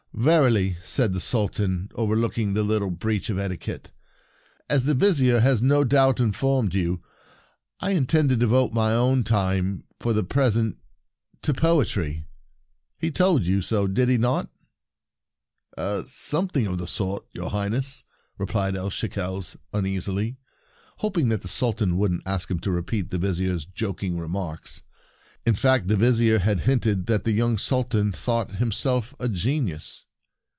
"Verily," said the Sultan, overlooking the little breach of etiquette. "As the Vizier A Good Official More Poetry 6o The Sultan's Caution has no doubt informed you, I of Shekels intend to devote my own time, for the present, to poetry. He told you so, did he not?" " Something of the sort, your Highness," replied El Shekels uneasily, hoping that the Sul tan wouldn't ask him to repeat the Vizier's joking remarks. In fact, the Vizier had hinted that the young Sultan thought him self a genius.